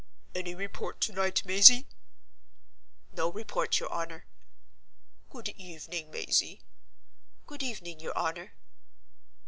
"Any report to night, Mazey!" "No report, your honor." "Good evening, Mazey." "Good evening, your honor."